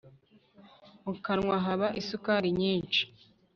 mukanwa haba isukari nyinshi